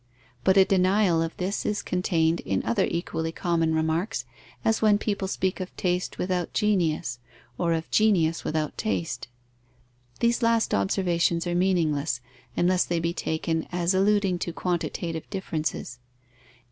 But a denial of this is contained in other equally common remarks, as when people speak of taste without genius, or of genius without taste. These last observations are meaningless, unless they be taken as alluding to quantitative differences.